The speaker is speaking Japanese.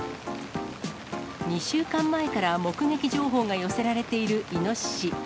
２週間前から目撃情報が寄せられているイノシシ。